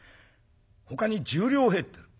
ほかに１０両入ってる。